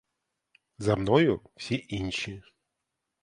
За мною всі інші.